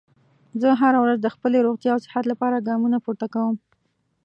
زه هره ورځ د خپلې روغتیا او صحت لپاره ګامونه پورته کوم